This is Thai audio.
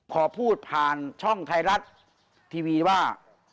ขอพูดผ่านช่องไทยรัฐทีวีว่า